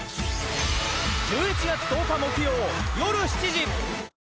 １１月１０日木曜夜７時。